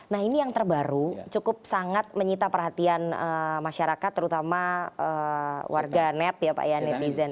nah ini yang terbaru cukup sangat menyita perhatian masyarakat terutama warga net ya pak ya netizen